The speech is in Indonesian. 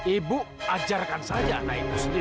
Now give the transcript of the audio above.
ibu ajarkan saja anak ibu sendiri